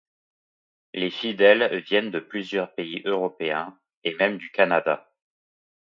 Les fidèles viennent de plusieurs pays européens, et même du Canada.